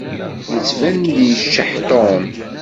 Yettban-d yeččeḥ Tom.